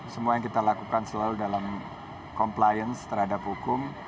semua yang kita lakukan selalu dalam compliance terhadap hukum